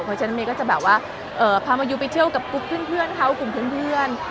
เพราะฉะนั้นเมย์ก็จะแบบว่าพามายูไปเที่ยวกับกุ๊กเพื่อนเขากลุ่มเพื่อน